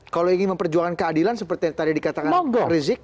kalau ingin memperjuangkan keadilan seperti yang tadi dikatakan bang rizik